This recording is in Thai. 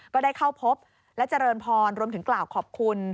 ก็ได้เข้าพบและเจริญพรรวมถึงกล่าวขอบคุณ